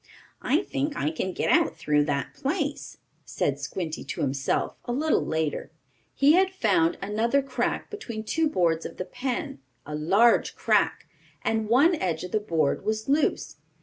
"I think I can get out through that place," said Squinty to himself, a little later. He had found another crack between two boards of the pen a large crack, and one edge of the board was loose.